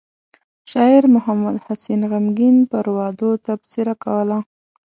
شاعر محمد حسين غمګين پر وعدو تبصره کوله.